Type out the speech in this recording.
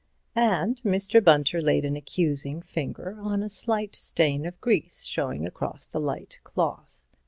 And Mr. Bunter laid an accusing finger on a slight stain of grease showing across the light cloth.